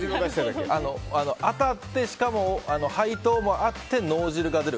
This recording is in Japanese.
当たって、しかも配当もあって脳汁が出る。